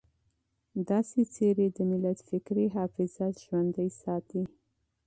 داسې څېرې د ملت فکري حافظه ژوندۍ ساتي.